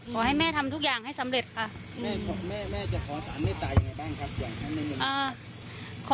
ขอให้แม่ทำทุกอย่างให้สำเร็จค่ะแม่แม่จะขอสารเมตตายังไงบ้างค่ะ